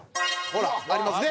ほらありますね。